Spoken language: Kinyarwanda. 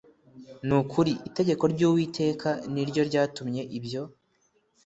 Ni ukuri itegeko ry Uwiteka ni ryo ryatumye ibyo